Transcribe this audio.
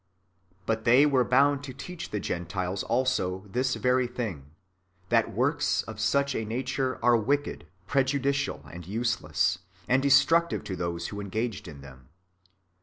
But they were bound to teach the Gentiles also this very thing, that works of such a nature were wicked, pre judicial, and useless, and destructive to those who engaged in them.